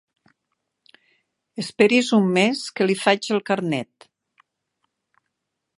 Esperi's un mes que li faig el carnet.